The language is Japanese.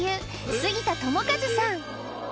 杉田智和さん